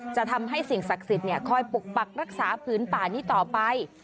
จะทำให้สิ่งศักดิ์สิทธิ์คอยปกปักรักษาผืนป่านี้ต่อไป